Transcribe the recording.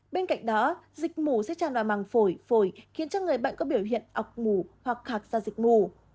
bên cạnh đó dịch mù sẽ tràn đoàn màng phổi phổi khiến cho người bệnh có biểu hiện ọc mù hoặc khạc ra dịch mù